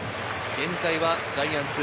現在はジャイアンツ１７％。